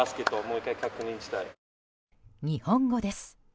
日本語です。